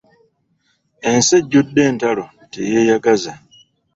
Ensi ejjudde entalo teyeeyagaza.